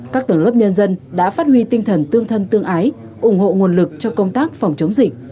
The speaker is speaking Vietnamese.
các tầng lớp nhân dân đã phát huy tinh thần tương thân tương ái ủng hộ nguồn lực cho công tác phòng chống dịch